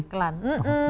sampai bukan iklan